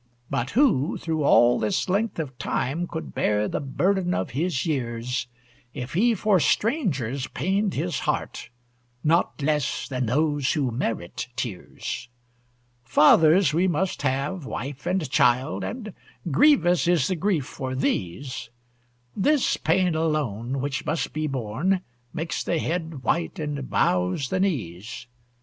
But who, through all this length of time, Could bear the burden of his years, If he for strangers pained his heart Not less than those who merit tears? Fathers we must have, wife and child, And grievous is the grief for these; This pain alone, which must be borne, Makes the head white, and bows the knees.